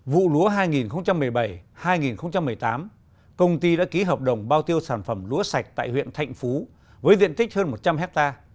vụ lúa hai nghìn một mươi bảy hai nghìn một mươi tám công ty đã ký hợp đồng bao tiêu sản phẩm lúa sạch tại huyện thạnh phú với diện tích hơn một trăm linh ha